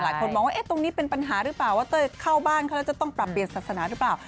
หลายคนมองว่าตรงนี้เป็นปัญหาหรือเปล่าว่าเต้ยเข้าบ้านเขาแล้วจะต้องปรับเปลี่ยนศาสนาหรือเปล่า